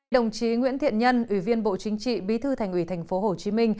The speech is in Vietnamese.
đồng chí nguyễn thiện nhân ủy viên bộ chính trị bí thư thành ủy tp hcm